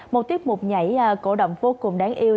một tiết mục nhảy cổ động vô cùng đáng yêu